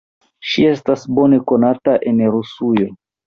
Ŝi estas bone konata en Rusujo.